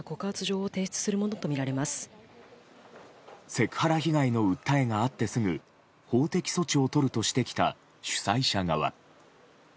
セクハラ被害の訴えがあってすぐ法的措置をとるとしてきた主催者側。